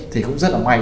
thì cũng rất là may